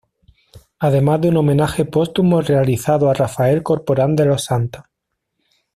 Además de un homenaje póstumo realizado a Rafael Corporán de los Santos.